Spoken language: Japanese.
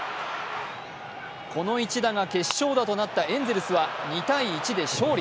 この一打が決勝打となったエンゼルスは２−１で勝利。